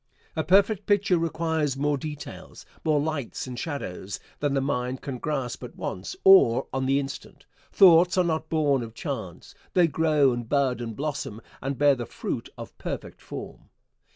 A perfect picture requires more details, more lights and shadows, than the mind can grasp at once, or on the instant. Thoughts are not born of chance. They grow and bud and blossom, and bear the fruit of perfect form.